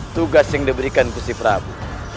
tugas yang diberikan ke si prabu